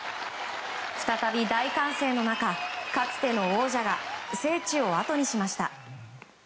再び大歓声の中、かつての王者が聖地をあとにしました。